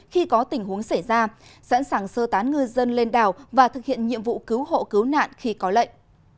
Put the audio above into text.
khi có tình huống xảy ra sẵn sàng sơ tán ngư dân lên đảo và thực hiện nhiệm vụ cứu hộ cứu nạn khi có lệnh